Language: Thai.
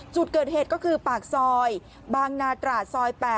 จุดเกิดเหตุก็คือปากซอยบางนาตราดซอย๘